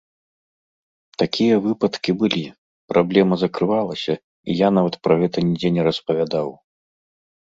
Такія выпадкі былі, праблема закрывалася, і я нават пра гэта нідзе не распавядаў.